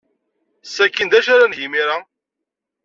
Sakkin d acu ara neg imir-a?